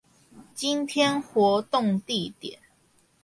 今天活動地點